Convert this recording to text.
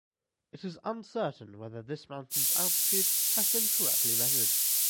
It is uncertain whether this mountain’s altitude has been correctly measured.